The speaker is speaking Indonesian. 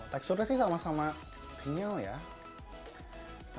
teksturnya sih sama sama kenyal ya